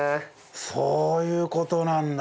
そういう事なんだ。